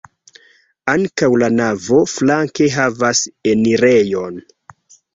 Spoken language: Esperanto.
Ankaŭ la navo flanke havas enirejon.